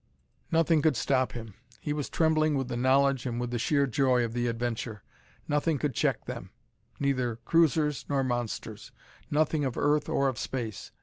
Nothing could stop him! He was trembling with the knowledge, and with the sheer joy of the adventure. Nothing could check them; neither cruisers nor monsters; nothing of earth or of space.